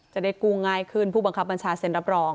จะได้กู้ง่ายขึ้นผู้บังคับบัญชาเซ็นรับรอง